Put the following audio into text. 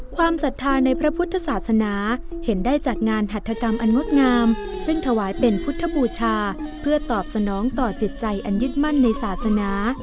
ศรัทธาในพระพุทธศาสนาเห็นได้จากงานหัฐกรรมอันงดงามซึ่งถวายเป็นพุทธบูชาเพื่อตอบสนองต่อจิตใจอันยึดมั่นในศาสนา